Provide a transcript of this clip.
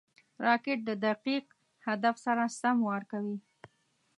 راکټ د دقیق هدف سره سم وار کوي